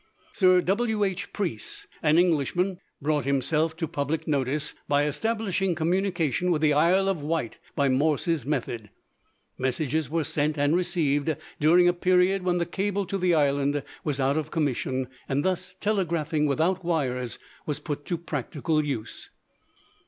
Sir W.H. Preece, an Englishman, brought himself to public notice by establishing communication with the Isle of Wight by Morse's method. Messages were sent and received during a period when the cable to the island was out of commission, and thus telegraphing without wires was put to practical use.